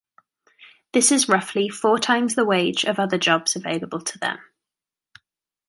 This is roughly four times the wage of other jobs available to them.